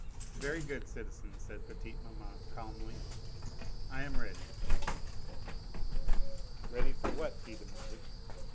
"Very good, citizen," said petite maman calmly. "I am ready." "Ready for what?" he demanded.